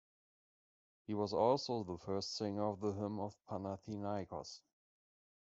He was also the first singer of the Hymn of Panathinaikos.